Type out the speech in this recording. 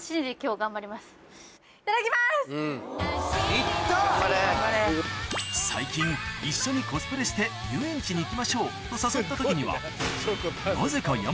・頑張れ・最近「一緒にコスプレして遊園地に行きましょう」と誘った時にはなぜかあぁ！